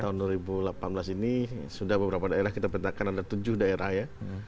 tahun dua ribu delapan belas ini sudah beberapa daerah kita petakan ada tujuh daerah ya